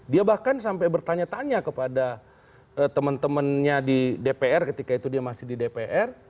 dia bahkan sampai bertanya tanya kepada teman temannya di dpr ketika itu dia masih di dpr